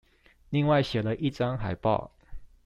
另外寫了一張海報